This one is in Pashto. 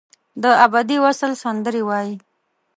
دابدي وصل سندرې وایې